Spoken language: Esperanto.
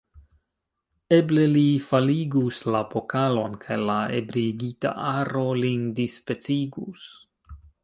Eble, li faligus la pokalon kaj la ebriigita aro lin dispecigus.